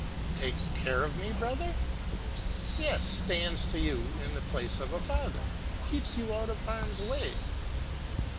"Takes care of me, brother!" "Yes, stands to you in the place of a father keeps you out of harm's way."